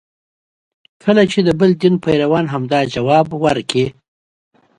کله چې د بل دین پیروان همدا ځواب ورکړي.